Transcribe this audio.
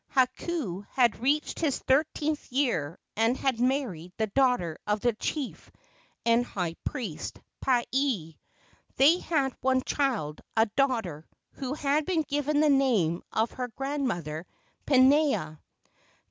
Hakau had reached his thirtieth year and had married the daughter of the chief and high priest Pae. They had one child, a daughter, who had been given the name of her grandmother, Pinea.